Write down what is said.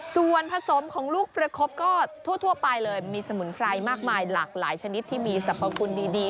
ส่วนผสมของลูกประคบก็ทั่วไปเลยมีสมุนไพรมากมายหลากหลายชนิดที่มีสรรพคุณดี